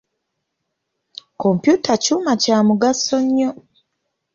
Kompyuta kyuma kya mugaso nnyo.